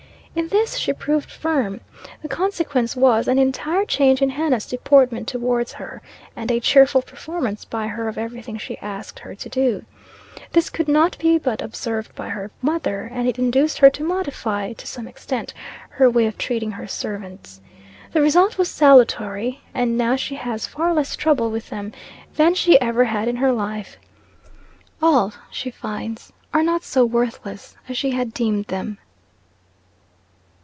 In this she proved firm. The consequence was, an entire change in Hannah's deportment towards her, and a cheerful performance by her of every thing she asked her to do. This could not but be observed by her mother, and it induced her to modify, to some extent, her way of treating her servants. The result was salutary, and now she has far less trouble with them than she ever had in her life. All, she finds, are not so worthless as she had deemed them.